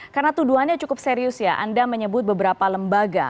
karena tuduhannya cukup serius ya anda menyebut beberapa lembaga